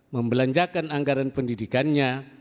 membelanjakan anggaran pendidikannya